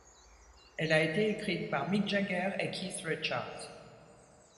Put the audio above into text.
Elle a été écrite par Mick Jagger et Keith Richards.